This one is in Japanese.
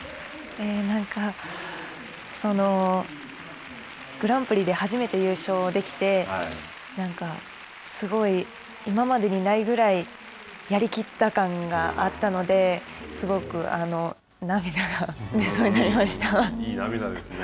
なんかグランプリで初めて優勝できてなんかすごい今までにないぐらいやりきった感があったのですごく涙が出そうになりました。